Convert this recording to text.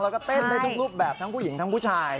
แล้วก็เต้นได้ทุกรูปแบบทั้งผู้หญิงทั้งผู้ชาย